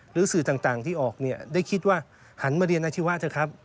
สื่อต่างที่ออกเนี่ยได้คิดว่าหันมาเรียนอาชีวะเถอะครับ